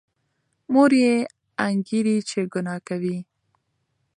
مور یې انګېري چې ګناه کوي.